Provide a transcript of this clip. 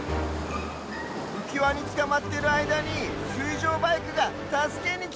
うきわにつかまってるあいだにすいじょうバイクがたすけにきた！